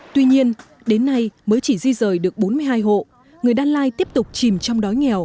tuy nhiên đến nay mới chỉ di rời được bốn mươi hai hộ người đan lai tiếp tục chìm trong đói nghèo